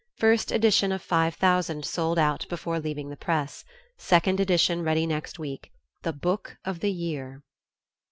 First edition of five thousand sold out before leaving the press. Second edition ready next week. THE BOOK OF THE YEAR...."